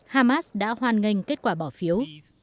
hamas đã hoan nghênh kết quả bỏ phiếu